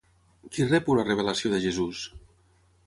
Qui rep una revelació de Jesús?